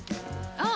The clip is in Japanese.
あっ！